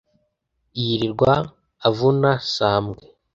Yilirwa avuna sambwe